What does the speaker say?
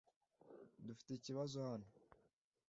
Dufite ikibazo hano .